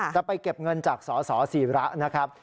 จะไปเก็บเงินจากสสีระนะครับ